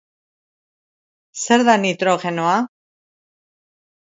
Zer da nitrogenoa?